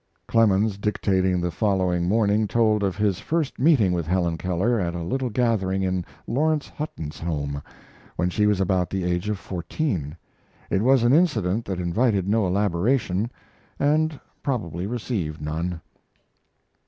Clemens, dictating the following morning, told of his first meeting with Helen Keller at a little gathering in Lawrence Hutton's home, when she was about the age of fourteen. It was an incident that invited no elaboration, and probably received none.